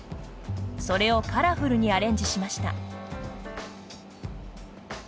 それをカラフルにアレンジしました。